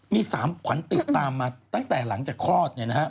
มี๓ขวัญติดตามมาตั้งแต่หลังจากคลอด